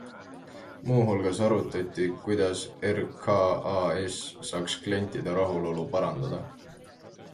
Muu hulgas arutati, kuidas RKAS saaks klientide rahulolu parandada.